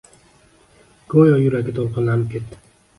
Go`yo yuragi to`lqinlanib ketdi